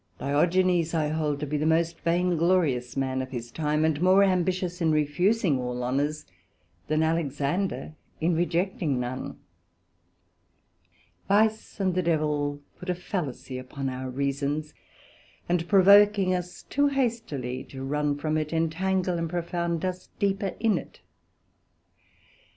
Diogenes I hold to be the most vain glorious man of his time, and more ambitious in refusing all Honours, than Alexander in rejecting none. Vice and the Devil put a Fallacy upon our Reasons, and provoking us too hastily to run from it, entangle and profound us deeper in it.